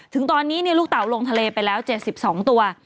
ถึงตอนนี้ลูกเต่าลงทะเลไปแล้ว๗๒ตัว